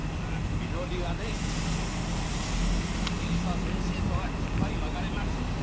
みのりはね竜太先生とはきっぱり別れました。